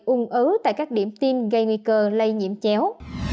ung ứ tại các điểm tiêm gây nguy cơ lây nhiễm chéo